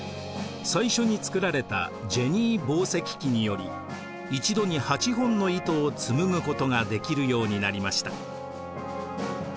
最初に作られたジェニー紡績機により一度に８本の糸を紡ぐことができるようになりました。